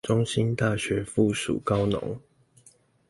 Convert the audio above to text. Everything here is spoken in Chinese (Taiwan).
中興大學附屬高農